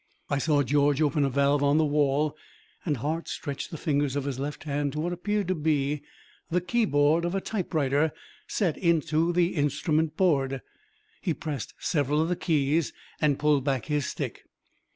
I saw George open a valve on the wall and Hart stretched the fingers of his left hand to what appeared to be the keyboard of a typewriter set into the instrument board. He pressed several of the keys and pulled back his stick.